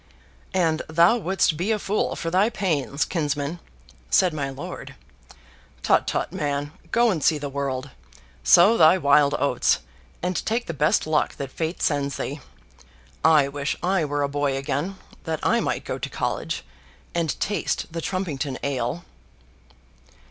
"And thou wouldst be a fool for thy pains, kinsman," said my lord. "Tut, tut, man. Go and see the world. Sow thy wild oats; and take the best luck that Fate sends thee. I wish I were a boy again, that I might go to college, and taste the Trumpington ale."